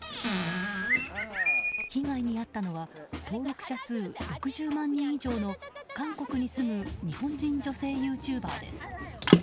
被害に遭ったのは登録者数６０万人以上の韓国に住む日本人女性ユーチューバーです。